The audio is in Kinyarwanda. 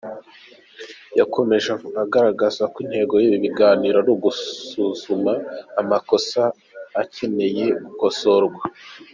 Yakomeje agaragaza ko intego y’ibi biganiro ari ugusuzuma amakosa akeneye gukosorwa.